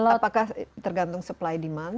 apakah tergantung supply demand